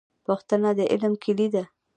پوښتنه د علم کیلي ده